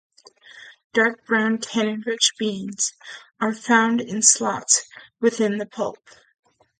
Dark brown tannin-rich beans are found in slots within the pulp.